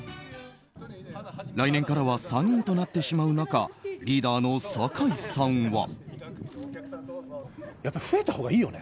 来年からは３人となってしまう中リーダーの酒井さんは。